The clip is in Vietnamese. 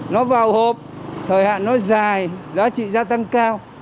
nó vào hộp thời hạn nó dài giá trị gia tăng cao